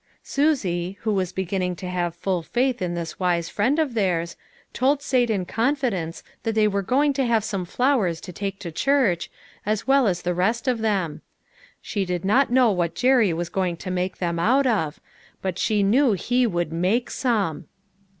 Susie, who was beginning to have full faith in this wise friend of theirs, told Sate in confidence that they^were going to have some flowers to take to church, as well as the rest of them ; she did not know what Jerry was going to make them out of, but she knew he would make some.